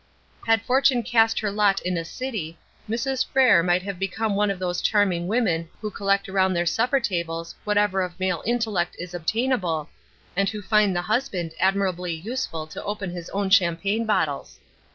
Had fortune cast her lot in a city, Mrs. Frere might have become one of those charming women who collect around their supper tables whatever of male intellect is obtainable, and who find the husband admirably useful to open his own champagne bottles.